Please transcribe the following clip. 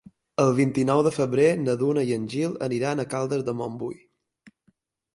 El vint-i-nou de febrer na Duna i en Gil aniran a Caldes de Montbui.